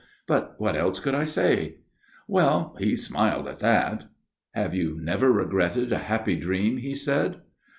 But what else could I say ?... Well he smiled again at that. "' Have you never regretted a happy dream ?' he said.